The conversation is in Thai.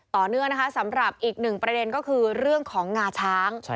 ต่อเนื่องนะคะสำหรับอีกหนึ่งประเด็นก็คือเรื่องของงาช้าง